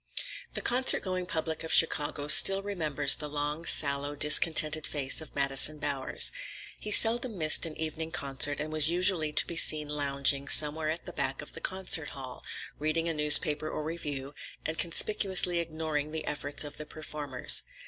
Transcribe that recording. The concert going public of Chicago still remembers the long, sallow, discontented face of Madison Bowers. He seldom missed an evening concert, and was usually to be seen lounging somewhere at the back of the concert hall, reading a newspaper or review, and conspicuously ignoring the efforts of the performers.